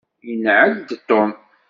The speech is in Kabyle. Inεel-d Tom.